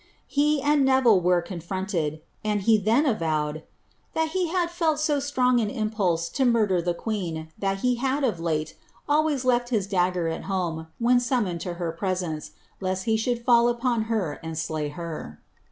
He and Neville were confronted ; and he ihi n avowed " that he had fell so strong an impulse lo nmrder the queen, lliat he had. of late, always h'ft bis dagger al home when summoned tu her presence, Icsi he sliould fall upon her and slay her."